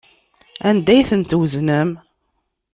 Anda ay ten-tweznem?